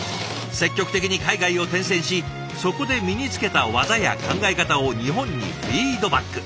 積極的に海外を転戦しそこで身につけた技や考え方を日本にフィードバック。